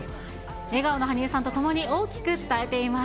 笑顔の羽生さんとともに大きく伝えています。